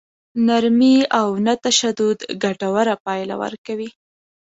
نرمي او نه تشدد ګټوره پايله ورکوي.